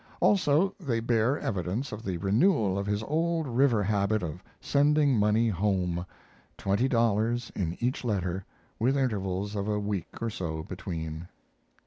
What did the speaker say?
Also they bear evidence of the renewal of his old river habit of sending money home twenty dollars in each letter, with intervals of a week or so between.